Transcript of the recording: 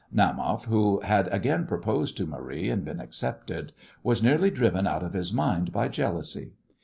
Naumoff, who had again proposed to Marie and been accepted, was nearly driven out of his mind by jealousy.